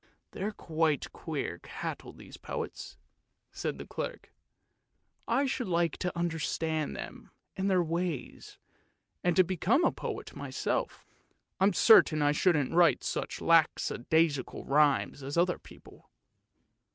" They're queer cattle these poets," said the clerk. " I should like to understand them and their ways, and to become a poet myself; I'm certain I shouldn't write such lackadaisical rhymes as other people.